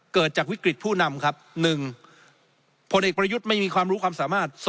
เกิดจากวิกฤตผู้นำครับ๑พลเอกประยุทธ์ไม่มีความรู้ความสามารถ